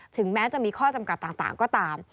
ถึงแม้จะมีข้อจำกัดต่างก็ตาม